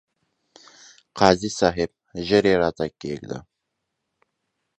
قاضي صاحب! ژر يې راته کښېږده ،